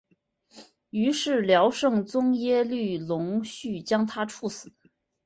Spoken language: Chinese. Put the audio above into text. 于是辽圣宗耶律隆绪将他处死。